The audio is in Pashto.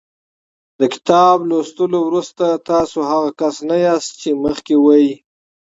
د کتاب له لوستلو وروسته تاسو هغه کس نه یاست چې مخکې وئ.